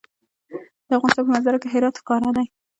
د افغانستان په منظره کې هرات ښکاره ده.